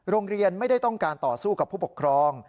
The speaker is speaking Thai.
โรงเรียนไม่ได้ต้องการต่อสู้กับผู้ปกครอง